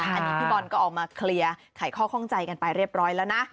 อันนี้พี่บอลก็ออกมาเคลียร์ไขข้อข้องใจกันไปเรียบร้อยแล้วนะ